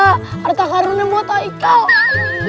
harta karunnya buat aikal